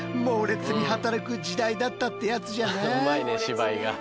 うまいね芝居が。